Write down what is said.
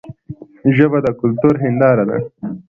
ژبه د کلتور هنداره ده.